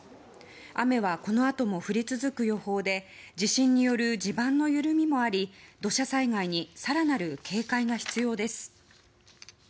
雨はこのあとも降り続く予報で地震による地盤の緩みもあり土砂災害に更なる警戒が必要です。